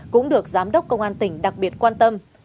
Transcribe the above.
cũng được giám đốc công an tỉnh đặc biệt quan tâm